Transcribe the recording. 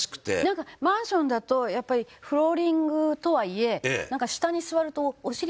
なんかマンションだとやっぱりフローリングとはいえなんか下に座るとお尻痛くなっちゃったり。